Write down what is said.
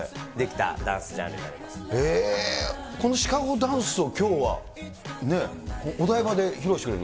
へー、このシカゴダンスをきょうは、お台場で披露してくれる？